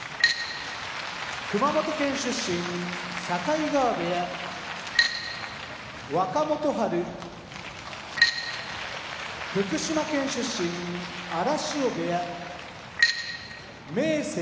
熊本県出身境川部屋若元春福島県出身荒汐部屋明生